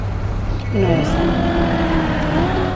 No era cert.